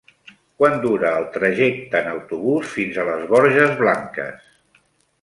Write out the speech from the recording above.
Quant dura el trajecte en autobús fins a les Borges Blanques?